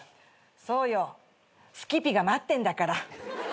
そうよすきぴが待ってんだから。